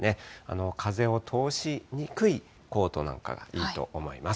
風を通しにくいコートなんかがいいと思います。